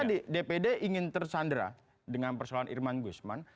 tadi dpd ingin tersandra dengan persoalan irman guzman